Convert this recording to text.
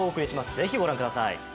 ぜひご覧ください。